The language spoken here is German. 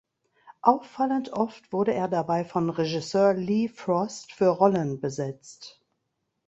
Auffallend oft wurde er dabei von Regisseur Lee Frost für Rollen besetzt.